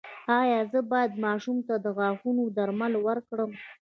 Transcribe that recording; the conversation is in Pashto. ایا زه باید ماشوم ته د غاښونو درمل ورکړم؟